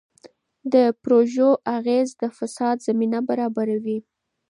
د پروژو اغېز د فساد زمینه برابروي.